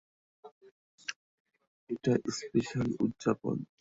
এটা স্পেশাল উদযাপন।